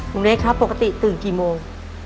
ลุงเนสครับปกติตื่นกี่โมง